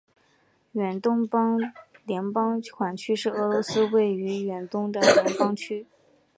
远东联邦管区是俄罗斯位于远东的联邦区。